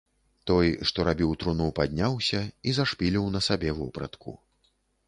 Той, што рабіў труну, падняўся і зашпіліў на сабе вопратку.